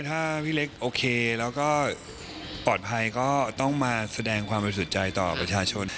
ถ้าพี่เล็กโอเคแล้วก็ปลอดภัยก็ต้องมาแสดงความบริสุทธิ์ใจต่อประชาชน